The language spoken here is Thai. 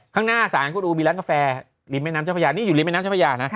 ข้างหน้าศาลก็ดูมีร้านกาแฟริมแม่น้ำเจ้าพระยานี่อยู่ริมแม่น้ำเจ้าพระยานะ